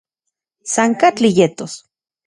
San katli yetos